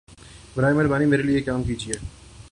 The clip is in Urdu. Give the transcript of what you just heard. براہَ مہربانی میرے لیے یہ کام کیجیے